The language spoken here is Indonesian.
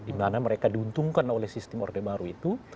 dimana mereka diuntungkan oleh sistem orde baru itu